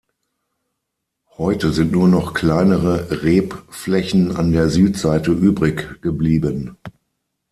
Heute sind nur noch kleinere Rebflächen an der Südseite übrig geblieben.